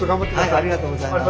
ありがとうございます。